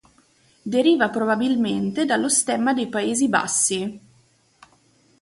Deriva probabilmente dallo stemma dei Paesi Bassi.